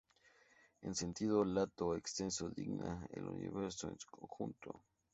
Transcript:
En sentido lato o extenso designa el universo en su conjunto.